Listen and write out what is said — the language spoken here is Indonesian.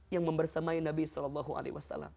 yang membersamai nabi saw